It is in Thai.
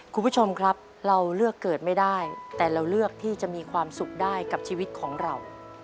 คุณผู้ชมครับเราเลือกเกิดไม่ได้แต่เราเลือกที่จะมีความสุขได้กับชีวิตของเรา